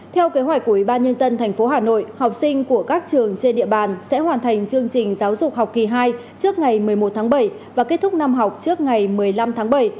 theo kế hoạch của ủy ban nhân dân tp hà nội học sinh của các trường trên địa bàn sẽ hoàn thành chương trình giáo dục học kỳ hai trước ngày một mươi một tháng bảy và kết thúc năm học trước ngày một mươi năm tháng bảy